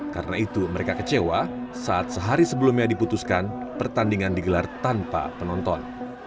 karena itu mereka kecewa saat sehari sebelumnya diputuskan pertandingan digelar tanpa penonton